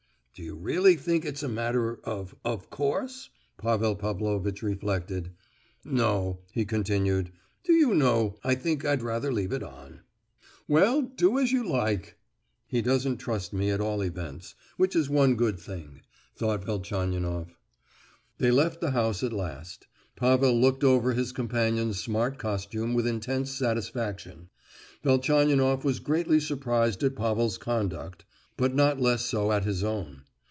"Do you really think it's a matter of 'of course'?" Pavel Pavlovitch reflected. "No," he continued, "do you know, I think I'd rather leave it on." "Well, do as you like! He doesn't trust me, at all events, which is one good thing," thought Velchaninoff. They left the house at last. Pavel looked over his companion's smart costume with intense satisfaction. Velchaninoff was greatly surprised at Pavel's conduct, but not less so at his own.